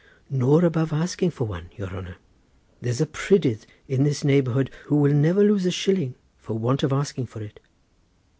"Nor above asking for one, your honour; there's a prydydd in this neighbourhood, who will never lose a shilling for want of asking for it.